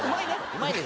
うまいね。